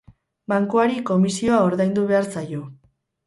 Bankuari komisioa ordaindu behar zaio.